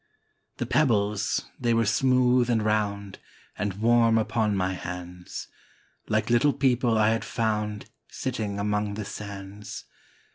The pebbles, they were smooth and round And warm upon my hands, Like little people I had found Sitting among the sands.